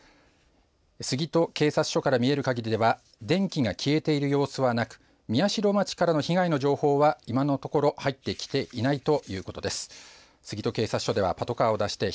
杉戸警察署から見えるかぎりでは電気が消えている様子はなく宮代町からの被害の情報は今のところ入ってきていないということです。